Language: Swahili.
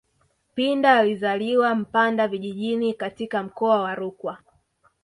Pinda alizaliwa Mpanda vijijini katika mkoa wa Rukwa